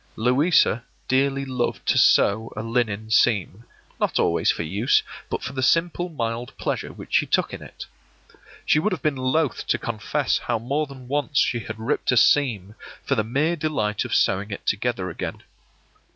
Louisa dearly loved to sew a linen seam, not always for use, but for the simple, mild pleasure which she took in it. She would have been loath to confess how more than once she had ripped a seam for the mere delight of sewing it together again.